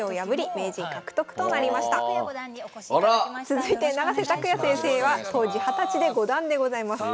続いて永瀬拓矢先生は当時二十歳で五段でございます。